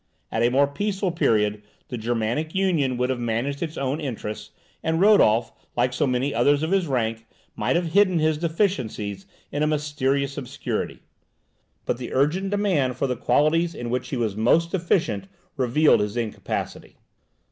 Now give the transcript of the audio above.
At a more peaceful period the Germanic Union would have managed its own interests, and Rodolph, like so many others of his rank, might have hidden his deficiencies in a mysterious obscurity. But the urgent demand for the qualities in which he was most deficient revealed his incapacity.